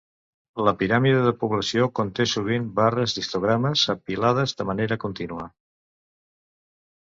La piràmide de població conté sovint barres d'histogrames apilades de manera contínua.